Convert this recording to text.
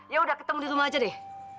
ya udah ketemu di rumah aja deh